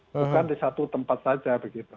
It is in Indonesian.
bukan di satu tempat saja begitu